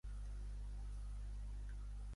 El nou d'octubre en Marc i en Marc aniran al metge.